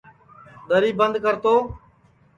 دری بند کر تو